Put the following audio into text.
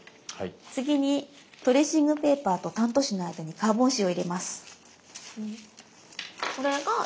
次にトレーシングペーパーとタント紙の間にカーボン紙を入れます。